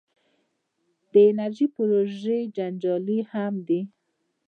د انرژۍ پروژې جنجالي هم دي.